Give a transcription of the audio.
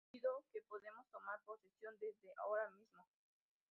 Indicó que: “Podemos tomar posesión desde ahora mismo.